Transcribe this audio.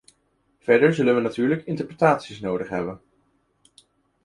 Verder zullen we natuurlijk interpretaties nodig hebben.